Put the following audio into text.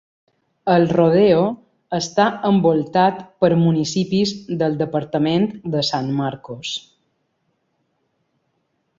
El Rodeo està envoltat per municipis del departament de San Marcos.